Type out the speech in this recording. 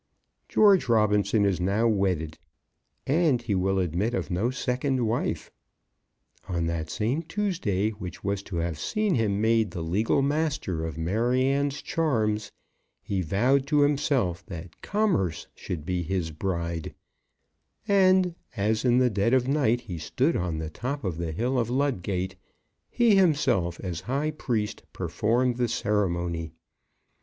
George Robinson is now wedded, and he will admit of no second wife. On that same Tuesday which was to have seen him made the legal master of Maryanne's charms, he vowed to himself that Commerce should be his bride; and, as in the dead of night he stood on the top of the hill of Ludgate, he himself, as high priest, performed the ceremony.